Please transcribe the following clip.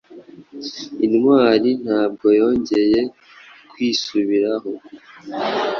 Intwari ntabwo yongeye kwisubiraho